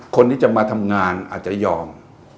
คนที่จะมาทำงานอาจจะยอม